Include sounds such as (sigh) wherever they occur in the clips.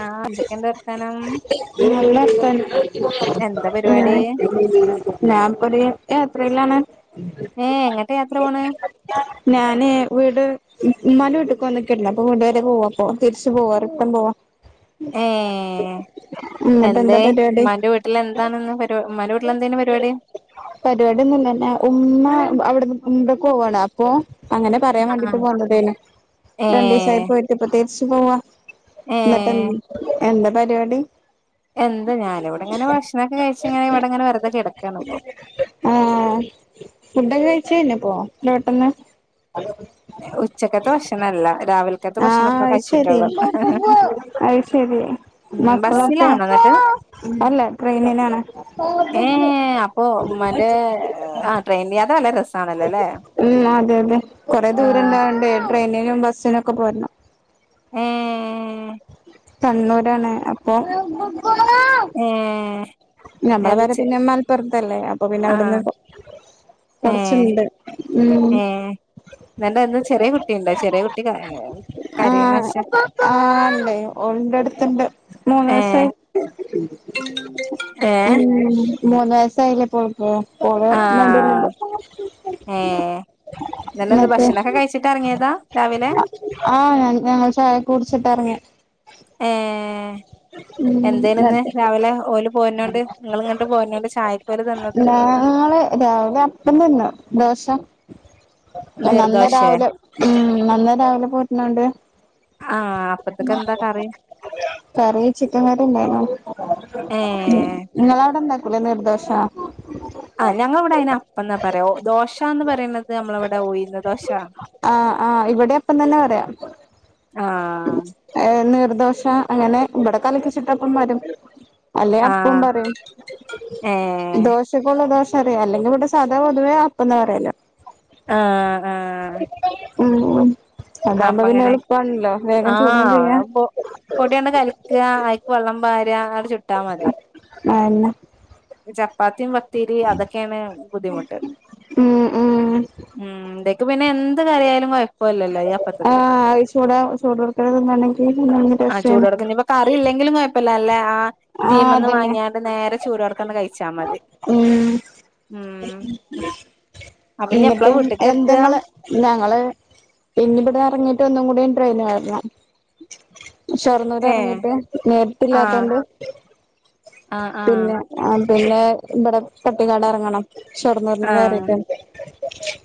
ആ. എന്തൊക്കെണ്ട് വർത്താനം നല്ലവർത്താനം. എന്താ പരിപാടി മ്മ് ഞാൻ (unintelligible) എത്രയിലാണ് ഏ എങ്ങട്ടാ യാത്ര പോണ്? ഞാനെ വീട് ഉമ്മാന്റെ വീട്ടക്ക്വന്നക്കല്ലേ അപ്പം വീട് വരെ പോവ്വാപ്പോ. തിരിച്ചു പോവ്വാ. റിട്ടൺ പോവാ. ഏ (inaudible) എന്നിട്ട് എന്താ എന്തേ പരിപാടി ഇമ്മാന്റെ വീട്ടില് എന്താണ് ന്ന് പരി. ഇമ്മാ ന്റെ വീട്ടില് എന്തേന്ന് പരിപാടി? പരിപാടിന്നൂല്ല. പിന്നെ ഉമ്മ അവിടെന്ന് ഉംറക്ക് പോവാണ് അപ്പൊ അങ്ങനെ പറയാൻ വേണ്ടിട്ട് ആഹ് പോന്നതേയില. ഏ രണ്ടീസായി പോയിട്ട് ഇപ്പൊ തിരിച്ച് പോവാ. ഏ ന്നിട്ട് എങ്ങനെ എന്താ പരിപാടി എന്താ ഞാനിവടെ ഇങ്ങനെ ഭക്ഷണൊക്കെ കഴിച്ചിങ്ങെനെ ഇവിടങ്ങനെ വെറുതെിടക്കാണ് ഇപ്പൊ ആ ഫുഡൊക്കെ കഴിച്ച് കഴിഞ്ഞൊ ഇപ്പോ ഇത്ര പെട്ടന്ന് ഉച്ചക്കത്തെ ഭക്ഷണല്ല രാവിൽക്കത്തെ ഭക്ഷണം ആഹ് ഇപ്പം അത് ശരി കഴിച്ചിട്ടൊള്ളൂ. അത് ശരി മക്കളൊക്കെ? ബസ്സിലാണോ എന്നിട്ട് അല്ലേ ട്രെയിനിനാണ്. ഏ അപ്പൊ ഉമ്മാന്റെ. ആ ട്രെയിൻ യാത്ര നല്ല രസാണല്ലോ അല്ലേ മ്മ് അതെ അതെ കുറെ ദൂരം ഉണ്ടാവണ്ടേ ട്രെയിനിനും ബസ്സിനും ഒക്കെ പോരണം. മ്മ്മ്മ് കണ്ണൂരാണ് അപ്പം ഏ ഞമ്മള അത് പെര ചെ പിന്നെ മലപ്പൊറത്തല്ലേ അപ്പൊ പിന്നെ ആഹ് അവിടുന്ന്- ഏ കൊറച്ചുണ്ട്. മ്മ് നിന്റെ (unintelligible) ചെറിയ കുട്ടിണ്ടോ ചെറിയ കുട്ടി കരയുന്ന - കരയുന്ന ഒച്ച ആണ്ടേ. ഓള് ന്റെ അടുത്ത്ണ്ട് മൂന്ന് ഏ വയസായി. ഏ ഉം മൂന്ന് വയസായിലെ ഇപ്പോ ഉം ഓള് നടൂലിണ്ട്. ഏഹ് നല്ലന്ത് ഭക്ഷണൊക്കെ കഴിച്ചിട്ടെറങ്ങിയതാ രാവിലെ ആഹ് ഞാൻ ഞങ്ങൾ ചായൊക്കെ കുടിച്ച്ട്ടാ എറങ്യെ ഏഹ് ഉം എന്തേനുന്ന് രാവിലെ ഓല് പോര്നോണ്ട് ഇങ്ങള്ങ്ങട്ട് പോര്നോണ്ട് ചായക്കോല് തന്ന ഞങ്ങൾ രാവിലപ്പം തിന്ന് ദോശ നന്ന നീർദോശേ രാവിലെ ഉം നന്ന രാവിലെ പോര്നോണ്ട് ആഹ് അപ്പത്ത്ക്കെന്താ കറി കറി ചിക്കൻ കറിണ്ടായിന്നൊ ഏ ഉം ങ്ങളോടെ ണ്ടാക്കൂലേ നീർദോഷ ആ ഞങ്ങളെവടെയ്നപ്പം ന്നാ പറയ ദോശ ന്ന് പറിണത് നമ്മളെവടെ ഉയിന്ന് ദോശ ആഹ് ആഹ് ഇവടെം അപ്പം തന്നെ പറയാ ആ ഏ നീർദോശ അങ്ങനെ ഇവടെ കലക്കിച്ചുട്ടപ്പം (unintelligible) അല്ലെ ആ അപ്പും പറിയും ഏ ദോശ (unintelligible) ള്ള ദോഷ റിം അല്ലെങ്കി വടെ സാധാ പൊതുവേ അപ്പംന്നാ പറയല് ആഹ് ആഹ് മ്മ് അതാവുമ്പോ പിന്നെ അപ്പങ്ങനെ എളുപ്പാണല്ലോ വേഗം ചുടും ചെയ്യാ പൊട്യണ്ട് കല്ക്കാ അയ്ക്ക് വള്ളം പാരാ ആണ്ട് ചുട്ടാ മതി അയന്നെ ചപ്പാത്തിം പത്തിരിം അതൊക്കേയണ് ബുദ്ധിമുട്ട് ഉം ഉം ഉം തേക്ക് പിന്നെ എന്ത് കറിയായാലും കോയപ്പല്ലല്ലോ ആഹ് അത് ചൂടെ ചൂടോട്ക്കനെ തിന്നാണെങ്കി (unintelligible) ആ ചൂടോട്ക്കെ ഞ്പ്പൊ കറില്ലെങ്കിലും കൊയപ്പല്ല അല്ലെ ആ ആഹ് തീമന്ന് അതന്നെ വാങ്ങ്യ ണ്ട് നേരെ ചൂടോട്ക്കാണ്ട് കഴിച്ചാ മതി. ഉം ഉം അപ്പൊ ഇനി എപ്പളാ ഇന്നട്ട് വീട്ട്ക്ക് എത്താ എന്തെങ്ങളെ. ഞങ്ങള് ഇഞ് ബടെ എറങ്ങീട്ട് ഒന്നും കൂടി ട്രെയിനേറണം. ഏഹ് ഷൊർണൂരെറങ്ങിട്ട് നേരിട്ട് ആഹ് ല്ലാത്തോണ്ട്. ആഹ് ആഹ് പിന്നെ ആ പിന്നേ ബടെ പട്ടിക്കാട് എർങ്ങണം. ആഹ്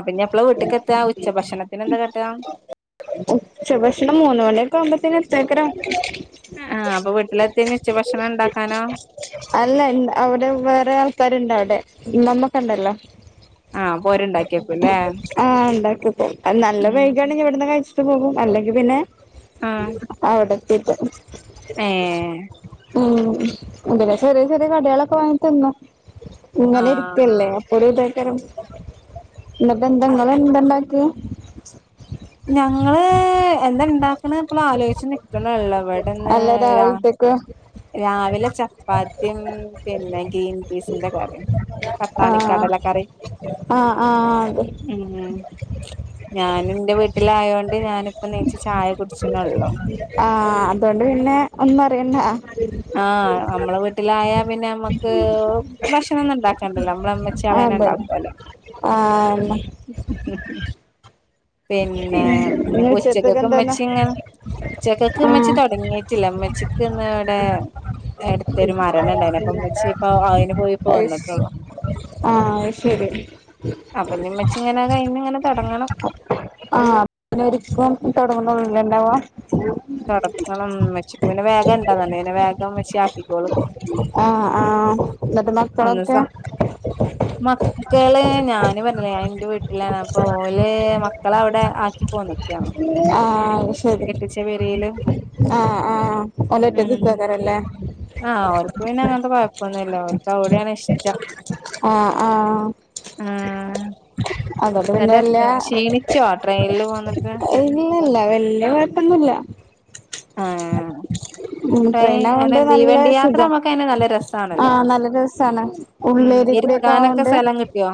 അപ്പഞ്ഞെപ്പള വീട്ട്ക്കെത്ത ഉച്ച ഭക്ഷണത്തിനെ ന്താ കാട്ടാ. ഉച്ച ഭക്ഷണം മൂന്ന് മണ്യോക്കാവുമ്പോത്തിനെത്തേക്കാരം. ആഹ് അപ്പ വീട്ടിലെത്ത്യ ഞ് ഉച്ച ഭക്ഷണം ണ്ടാക്കാനോ അല്ല അവ്ടെ വേറെ ആൾക്കാര്ണ്ടവ്ടെ ഇമ്മമ്മക്കെണ്ടല്ലോ ആഹ് അപ്പൊ ഓര് ഉണ്ടാക്കിയേക്കുംല്ലേ ആഹ് ണ്ടാക്ക്യക്കും അഹ് നല്ല ഉം വൈക ണെങ്കി വട്ന്ന് കഴിച്ചിട്ട് പോകും അല്ലെങ്കി പിന്നെ ആഹ് അവ്ടെത്തീട്ട്. ഏഹ് ഉം. എന്താ ചെറി ചെറി കടിളൊക്കെ വാങ്ങിതിന്നും ങ്ങനെ ആഹ് ഇരിക്കല്ലേ? ഒരുതേക്കാരം ന്നട്ടെന്താ ങ്ങളെന്തണ്ടാക്ക. ഞങ്ങള് എന്താ ണ്ടാക്ക്ണ് പ്പള് ആലോയ്ച്ച് നിക്ക്ണൊള്ളൂ. വടെന്ന് ര ആഹ് രാവിലെ ചപ്പാത്തിം പിന്നെ ഗ്രീൻ പീസിന്റെ കറിം. ആഹ് പട്ടാണിക്കടല കറി ആഹ് ആഹ് അതെ ഉം ഞാൻ ന്റെ വീട്ടിലായോണ്ട് ഞാനിപ്പ നീച്ച് ചായ കുട്ച്ച്ണൊള്ളൂ. ആഹ് അതോണ്ട് പിന്നെ ഒന്നു അറിയണ്ട ആഹ് നമ്മളെ വീട്ടിലായ പിന്നെ നമ്മക്ക് ഭക്ഷണം ഒന്നും ഉണ്ടാക്കണ്ടല്ലോ നമ്മളെ ഇമ്മചാളെന്നെ അതന്നെ ഇണ്ടാക്കോല്ലോ. ആഹ് പിന്നെ ഞ് ഇനി ഉച്ചത്തേക്ക് ഉച്ചക്കക്ക് എന്താന്ന് മ്മച്ചി ഇങ്ങെ ഉച്ചകക്ക്മ്മച്ചി ആഹ് തൊടങ്ങീട്ടില്ല മ്മച്ചിക്ക് ഇന്ന് വടെ എട്ത്തോര് മരണം ണ്ടായിനി. അപ്പം മ്മച്ചി പ്പ അയിന് പോയി പ്പോ വന്നിട്ടൊള്ളൂ. ആ അയ്ശരി അപ്പ ഞ് മ്മച്ചിങ്ങനെ കഴിഞ്ഞിങ്ങനെ തൊടങ്ങണം. ആഹ് പിന്നൊരിക്കും തൊടങ്ങുണൊള്ളൂ ലെ ണ്ടാവ. തൊടക്കണം മച്ചിക്ക് പിന്നെ വേഗം ണ്ട (unintelligible) വേഗം മ്മച്യാക്കിക്കോളും ആഹ് ആഹ് മക്കളൊക്കെ മക്കളെ ഞാന് പറഞ്ഞില്ലേ ഞാൻ എന്റെ വീട്ട് ല്ലാണ് അപ്പൊ ഓല് മക്കള അവിടെ ആക്കിപ്പോന്ന്ക്കാണോ ആഹ്. ശരി കെട്ടിച്ച പെരേല് ആഹ് ആഹ് ഓലൊറ്റക്ക് ഉം നിക്കോക്കാരല്ലെ? ആഹ് ഓല്ക്ക് പിന്നെ അങ്ങനത്തെ കൊഴപ്പൊന്നുല്ല ഓല്ക്ക് അവിടേണ് ഇഷ്ടം. ആഹ് ആഹ് ഉം അതോണ്ട് പിന്നെല്ല ച്ചോ ട്രൈയനില് പോന്നിട്ട് ഇല്ലല്ല വല്യ കൊഴപ്പൊന്നുല്ല. ആഹ്. ഉം ട്രെയിൻ അങ്ങനെ ട്രൈനാപോണ്ട നല്ല തീവണ്ടി യാത്ര സുഗം നമ്മുക്ക് അയിന് നല്ല രസാണല്ലോ ആഹ് നല്ല രസാണ്. ഉം ഉള്ളേരി കൂടൊക്കെ ഇരിക്കാനൊക്കെ ആവോണ്ട് സ്ഥലം കിട്ടിയോ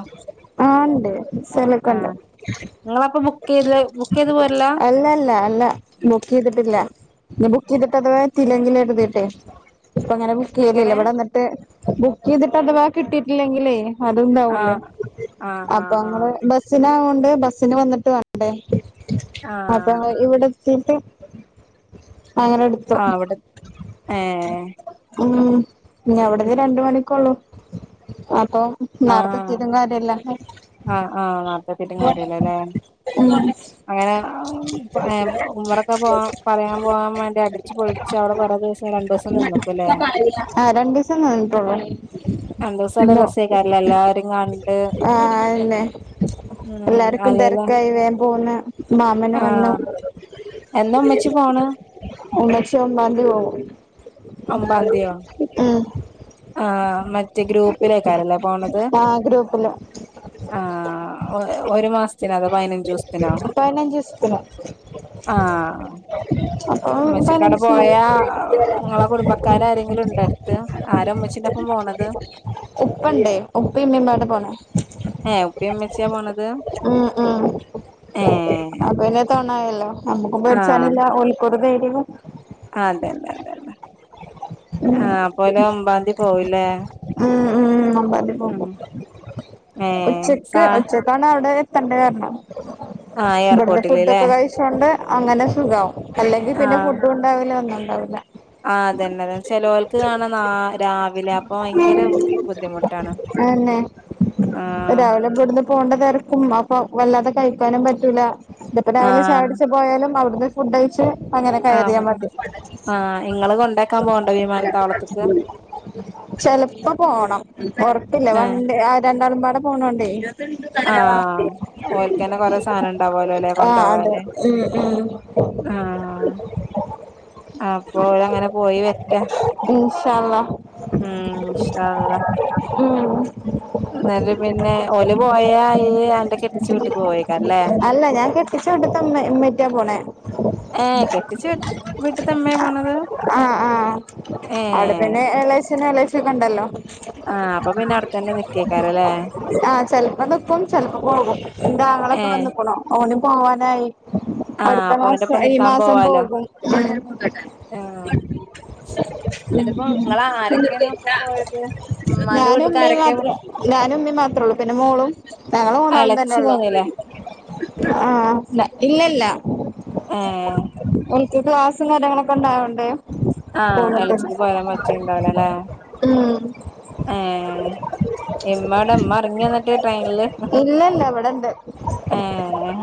ആണ്ട് സ്ഥലൊക്കോ ഒണ്ടോ ‍ ഇങ്ങളപ്പോ ബുക്കീത് ബുക്കീത് പോരലാ അല്ലല്ല അല്ല ബുക്കീതിട്ടില്ല ഇനി ബുക്കീത്ടതവാ എത്തീലങ്കിലോ കരീതിടെയ്. അപ്പോ അങ്ങനെ ബുക്‌ചയത്തിലാ എങ്ങനെ? ഇവടന്ന്ട്ട് ബുക്‌ചയത് അഥവാ കിട്ടീട് ഇല്ലക്കിലേ അത്ണ്ടാവൂല്ലേ ആഹ് ആഹ് അപ്പൊ ആഹ് അങ്ങള് ആഹ് ബസ് ബസ്സിനാവോണ്ട് ബസിന് വന്നിട്ട് വാണ്ടേ ആഹ് അപ്പോങ്ങള് ഇവടെ തീട്ട് അങ്ങനെ എടു ആഹ് അവിടെ ഏ ഉം ഇനി അവിടന്ന് രണ്ട മണിക്കൊള്ളൂ അപ്പൊ നേരത്തെ ആഹ് എത്തിട്ടും കാര്യല്ല ആഹ് അആഹ് നാർത്തെ എത്തീട്ടും കാര്യല്ല ല്ലേ ഉം അങ്ങനെ എ ഉമ്മറൊക്കെ പോ പറയാൻ പോവാൻ വേണ്ടി അടിച്ചു പൊളിച്ച് അവിടെ കുറേ ദിവസ രണ്ടൂസം നിന്നുകുല്ലെ ആഹ് രണ്ട് ദിവസം നിന്നുട്ടൊള്ളു രണ്ടുസം നല്ല രസേക്രല്ലെ എല്ലാരിം കണ്ട് ആ ഉം ക്കും അല്ലേലും തിരക്കായി വേ പോന്ന് മാമന് വന്നു ആഹ് എന്നാ ഉമ്മച്ചി പോണ് ഉമ്മച്ചി ഒമ്പത്തിയതി പോവും ഒമ്ബന്തിയോ ഉം ആഹ് മറ്റേ ഗ്രൂപ്പിലേക്കാരല്ലേ പോണത് ആ ഗ്രൂപ്പില് ആഹ് ഒരു മാസത്തിനോ അതോ പതിനഞ്ചൂസത്തിനോ പതിനഞ്ച് ദിവസത്തിന് ആഹ് അപ്പൊ ഇമ്മച്ചിക്കാവടെ പതിനഞ്ച് പോയാ കുടുംബക്കാരാരേങ്കിലും ഇണ്ടോ അടുത്ത് ആര ഇമ്മച്ചിന്റൊപ്പം പോണത്. (unintelligible) ഉപ്പിം ഇമ്മിയുംമാട പോണത്‌ ഏ ഉപ്പിം ഉമ്മച്ചിയുയാ പോണത് ആഹ് ഏഹ് അപ്പൊ പിന്നെ തോണായല്ലോ നമ്മുക്കും പേടിച്ചാനില്ല ഓല് കുറച്ചു കഴിഞ്ഞിട്ട് തിന്നും ആഹ് അതെ അതെ അതെ അതെ ആഹ അപ്പോ ഓല് ഒമ്പാംതി പോവുല്ലേ ഉം ഉം ഒമ്പാം തീയതി ഉം പോകും ഏഹ് സ എപ്പയാണ് അവിടെ എത്തെണ്ടേ പറഞ്ഞോ. ആഹ് ഇവിടുന്ന് എയർപോർട്ടില് ഫുഡ ല്ലേ ഒക്കെ കഴിച്ചോണ്ട് അങ്ങനെ സുഖാവാ അല്ലെങ്കിൽ പിന്നെ ആഹ് ഫുഡ് രാവിലെ ഒന്നുംണ്ടാവുല്ല ആഹ് അതന്നെതെ ചെലോൽക്കാണ് നാ രാവിലെ അപ്പൊ ഭയങ്കര ബുദ്ധിമുട്ടാണ്. അതന്നെ ആഹ രാവിലെ ഇവിടുന്ന് പോണ്ട തെരക്കും അപ്പൊ വല്ലാതെ കഴിക്കാനും പറ്റൂല. തിപ്പോ രാവിലെ ആഹ് ചായുടിച് പോയാലും അവടന്ന് ഫുഡയിച്ച് അങ്ങനെ ആഹ് കയറിയാ ഇവടെ മതി. ആഹ് ഇങ്ങള് കൊണ്ടാക്കാൻ പോവ്ണ്ടോ വിമാനത്താവളത്ത്ക്ക് (unintelligible) ചെലപ്പോ പോണം. ഉറപ്പില്ല ഏഹ് വണ്ടി രണ്ടാളുംമ്പാടെ പോണോണ്ടേ ആഹ് (unintelligible) ഓൽക്കന്നെ കൊറെ സാനം ഇണ്ടാവലെല്ലേ ആഹ് അതെ കൊണ്ടാവാന്. ഉം ഉം ആഹ് ആഹ് അപ്പോ ഒരങ്ങനെ പോയി വരട്ടെ അല്ലാ ഉം ഇൻഷാ ഉം എന്നല് പിന്നെ ഓല് പോയായി. അ അല്ല ഞാൻ കെട്ടിച്ച വീട്ടത്തെ മ്മ മ്മറ്റാ പോണേ ഏഹ് കെട്ടിച്ചു വിട്ടിത്തെമ്മേ പോണത്. ആഹ് ആഹ് അവിടെ ഏഹ് തന്നെ എലാച്ചനും എളേച്ചി കൊണ്ടല്ലോ ആഹ് അപ്പൊ പിന്നെ അവിടെത്തന്നെ നിക്കേക്കാരല്ലേ ആഹ് ചെല്പം നിക്കും ചെ പോകും ന്റെ ആങ്ങളോക്കെ ഏഹ് വന്ന്ക്ക്ണു ഓനും പോവാനായി. ആഹ് അടുത്ത അപ്പൊ മാസം ഓന്റൊപ്പം ഈ നിക്കാൻ മാസം പോവാലോ പോകും. എന്റെപ്പ ങ്ങള് ഉം ആരൊക്കെയാണ് അപ്പൊ പോയത്. മ്മാന്റെ ഞാനും വീട്ടക്ക് ഉമ്മയും ആരൊക്കെയ പോ മാത്രേ ഞാനും ഉമ്മയും മാത്രേള്ളൂ പിന്നെ മോളും. ഞങ്ങള് മൂന്നാളും എളച്ചി തന്നെയുള്ളു. പോന്നില്ലേ ആഹ് ൻസിലായി ഇല്ലല്ല ഏഹ് ഓൽക്ക് ക്ലാസും കാര്യങ്ങളൊക്കെ ഉണ്ടായോണ്ടെ. ആഹ് എളച്ചിക്ക് പോരാൻ പറ്റിണ്ടാവില അല്ലേ ഉം ഏഹ് ഇമ്മടെ മ്മ ഉറങ്ങി ന്നിട്ട് ട്രെയിനില്. ഇല്ല ഇല്ല ഇവിടെണ്ട് ഏഹ്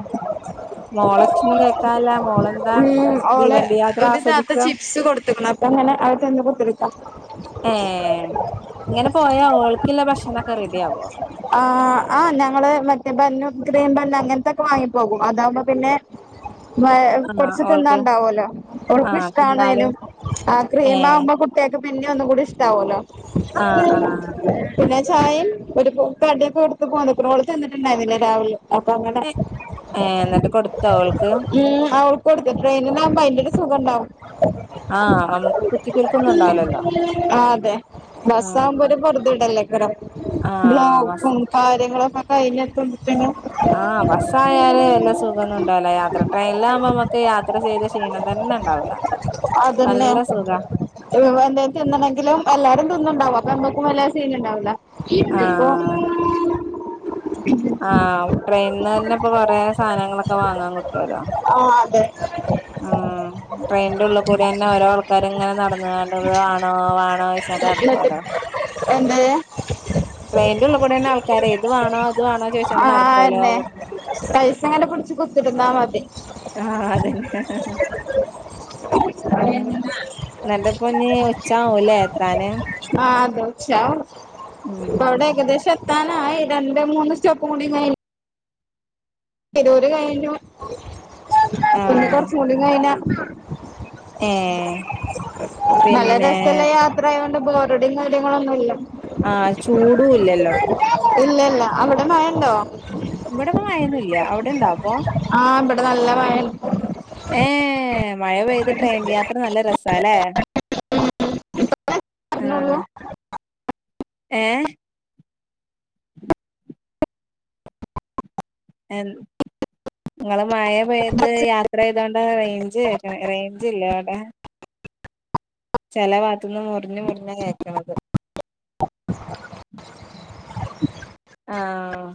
മോളച്ചനും കേക്കാല്ല മോളെന്താ ഉം തീ ഓള് വണ്ടി യാത്ര ഒരു താത്ത ആസ്വദിക്ക ചിപ്സ് കൊടുത്ത്ക്ക്ണ് അങ്ങനെ അ ചന്ന് കൊത്തിടുക്ക ഏഹ് ഇങ്ങനെ പോയാ ഓൾക്കില്ലേ ഭക്ഷണക്കെ റെഡിയാവോ ആഹ് ആഹ് ഞങ്ങള് മറ്റേ ബന്നും ക്രീം ബൻ അങ്ങനത്തൊക്കെ വാങ്ങിപ്പോകും. അതാമ്പോ പിന്നെ മ ആ കൊറച്ച ഓൾക്ക് തിന്നാണ്ടാവല്ലോ ആ ഓൾക് തിന്നാല് ഇഷ്ടണേനും. ആഹ് ഏ ക്രീമാവുമ്പോ കുട്ടിയക്ക് പിന്നെ ഒന്നും കൂടി ഇഷ്ടാവല്ലോ. ആ ആ പിന്നെ ചായയും ഒരു കടിയൊക്കെ എടുത്ത് പേന്ന്ക്ക്ണ് ഓള് തിന്നിട്ട് ഇണ്ടായില്ല രാവിലെ അപ്പൊ അങ്ങനെ ഏ എന്നിട്ട് കൊടുത്തോ ഓൾക്ക് ഉം ഇവിടുത്തെ ട്രെയിനിലാവുമ്പോ അയിന്റെരു സുഖണ്ടാവും. ആഹ് നമുക്ക് കുത്തി കുൽക്കൊന്നും ഉണ്ടാവി ല്ലല്ലോ ആഹ് അതെ ബസ് ആമ്പോ ഒരു പെറുതി ഇടല്ലേക്കറോ ആ ബസ് ബ്ലോക്കും കാര്യങ്ങളൊക്കെ കഴിഞ്ഞ പിന്നെ ആഹ് ബസ്സായാല് നല്ല സുഖന്നും ഉണ്ടാവുല്ല യാത്ര ട്രെയിനിലമ്പോ നമുക്ക് യാത്ര ചെയ്ത ക്ഷീണം തന്നെ ഉണ്ടാവൂല. അതന്നെ നല്ല സുഖ ഇവ് വ എന്തെക്കെ എന്തൊണ്ടങ്കിലും എല്ലാരും തിന്നുണ്ടാവും അപ്പൊ എന്തെക്കും വല്ല സീന്ണ്ടാവില്ല ഇത്പ്പോ ആ ആഹ് ട്രെയിനിന്ന് തന്നെ ഇപ്പൊ കൊറെ സാനങ്ങളൊക്കെ വാങ്ങാൻ കിട്ടുവല്ലോ. ആഹ് അതെ ഉം ട്രെയിൻന്റെ ഉള്ള് കൂടി ന്നെ ഓരോ ആൾക്കാരും ഇങ്ങനെ നടന്ന കണ്ത് ത് വാണോ വാണോ (unintelligible) എന്നിട്ട് നടോ എന്ത് ട്രെയിന്റുള്ളികുടെന്നെ ആൾക്കരെ ഏത് വേണോ ആഹ് ന്നെ പൈസങ്ങനെ പിടിച്ച് കുത്തിരുന്നാ മതി ആഹ് അതന്നെ ആഹ് നന്റെപ്പൊന്ന് ഉച്ചാവൂല്ലേ എത്താന് ആ അതോച്ച ഉം അവിടെ ഏകദേശം എ ത്താനായി രണ്ട് മൂന്ന് സ്റ്റെപ്പും കൂടി കയ് എരൂര് കഴിഞ്ഞു ആഹ് കുറച്ചും കൂടി കഴിഞ്ഞാ ഏഹ് നല്ല പിന്നെ രസ്സൊല്ല യാ ത്രായോണ്ട് ബോറടീം കാര്യങ്ങളൊന്നുല്ല. ആ ചൂടു ഇല്ലല്ലോ ഇപ്പൊ ഇല്ലല്ല അവ്ടെ മഴയൊണ്ടോ? ഇവിടെപ്പ മഴയൊന്നുല്ല അവിടെണ്ടൊപ്പൊ ആ ഇബടെ നല്ല മയെ ഏ മഴ പെയ്ത് ട്രെയിൻ യാത്ര നല്ല രസാ ലെ ആ പറഞ്ഞോളൂ ഏ എൻ ഇങ്ങള് മഴെ പെയ്ത് യാത്രെയ്തോണ്ട റെയ്ഞ്ച് വ റേഞ്ച് ഇല്ലെവ്ടെ ചെല വാത്ത്ന്ന് മുറിഞ്ഞ് മുറിഞ്ഞാ കേക്കണത് (inaudible) ആഹ്